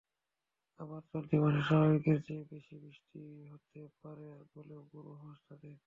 আবার চলতি মাসে স্বাভাবিকের চেয়ে বেশি বৃষ্টি হতে পারে বলেও পূর্বাভাস তাদের।